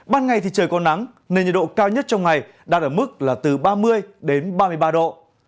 ban ngày thì trời có nắng nên nhiệt độ cao nhất trong ngày đạt ở mức là từ ba mươi đến ba mươi ba độ